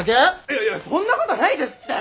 いやいやそんなことないですって！